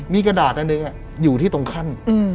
มีกระดาษอันหนึ่งอยู่ที่ตรงขั้น